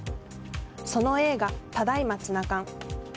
その映画「ただいま、つなかん」。